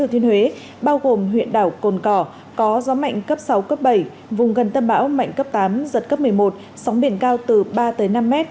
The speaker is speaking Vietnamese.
cảnh báo gió mạnh gần tâm bão mạnh cấp tám giật cấp một mươi một sóng biển cao từ ba tới năm mét